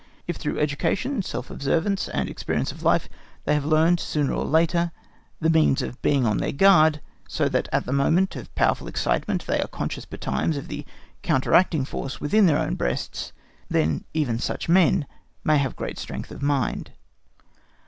If through education, self observance, and experience of life, they have learned, sooner or later, the means of being on their guard, so that at the moment of powerful excitement they are conscious betimes of the counteracting force within their own breasts, then even such men may have great strength of mind.